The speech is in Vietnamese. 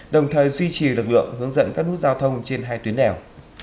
đồng thời duy trì lực lượng hướng dẫn các nút giao thông trên hai tuyến đèo